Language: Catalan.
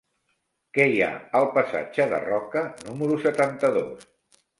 Què hi ha al passatge de Roca número setanta-dos?